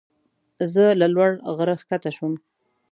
زه له لوړ غره ښکته شوم.